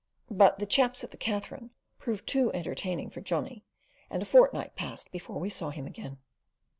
But the "chaps at the Katherine" proved too entertaining for Johnny, and a fortnight passed before we saw him again.